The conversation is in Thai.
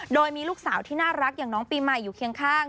โดยมีลูกสาวที่น่ารักอย่างน้องปีใหม่อยู่เคียงข้าง